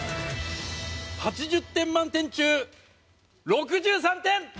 ８０点満点中６３点！